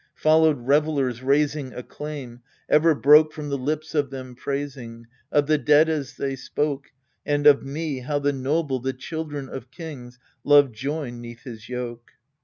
Followed revellers, raising Acclaim : ever broke From the lips of them praising, Of the dead as they spoke, And of me, how the noble, the children of kings, Love joined 'neath his yoke.